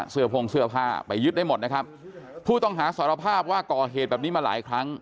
พงเสื้อผ้าไปยึดได้หมดนะครับผู้ต้องหาสารภาพว่าก่อเหตุแบบนี้มาหลายครั้ง